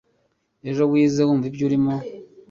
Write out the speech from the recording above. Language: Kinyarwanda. Ejo wigeze wumva iby'umuriro?